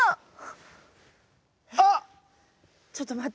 あっ！